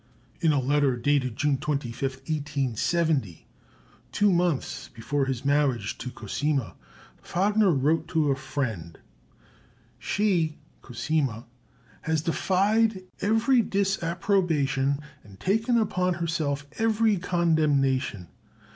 In a letter dated June 25, 1870, two months before his marriage to Cosima, Wagner wrote to a friend: "She [Cosima] has defied every disapprobation and taken upon herself every condemnation.